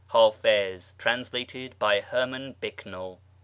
" (Hafiz, translated by Herman Bicknell).